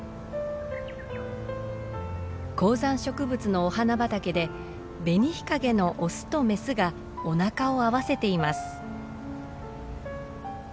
高山植物のお花畑でベニヒカゲのオスとメスがおなかを合わせています。